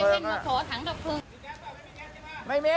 ไม่มีทะมันแค่นี้